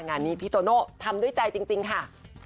งานนี้พี่โตโน่ทำด้วยใจจริงค่ะ